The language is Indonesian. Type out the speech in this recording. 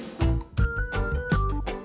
serbajikan adonan tepung